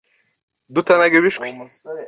Dutanaga ibishwi